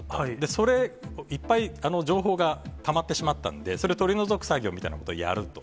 それ、いっぱい情報がたまってしまったので、それ取り除く作業みたいなことをやると。